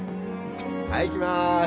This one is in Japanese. はいいきます。